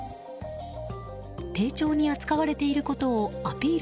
丁重に扱われていることをアピール